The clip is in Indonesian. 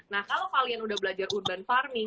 nah kalau kalian udah belajar urban farming